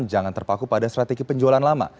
jangan terpaku pada strategi penjualan lama